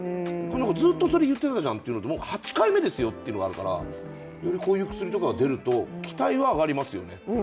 ずっとそれ言ってたじゃん、８回目ですよってのがありますからよりこういう薬とかが出ると期待はありますよね。